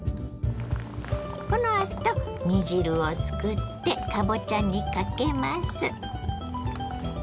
このあと煮汁をすくってかぼちゃにかけます。